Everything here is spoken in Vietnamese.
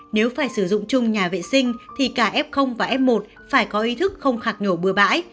nếu phải sử dụng chung nhà vệ sinh thì cả f và f một phải có ý thức không khạc nhổ bừa bãi